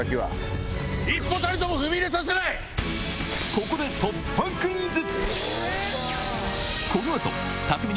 ここで突破クイズ！